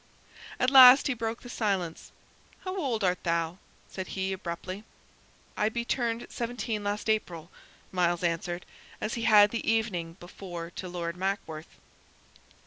At last he broke the silence. "How old art thou?" said he, abruptly. "I be turned seventeen last April," Myles answered, as he had the evening before to Lord Mackworth.